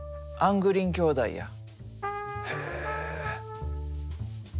へえ。